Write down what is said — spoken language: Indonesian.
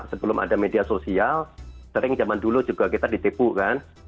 sebelum ada media sosial sering zaman dulu juga kita ditipu kan